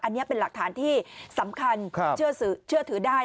อันนี้เป็นหลักฐานที่สำคัญเชื่อถือได้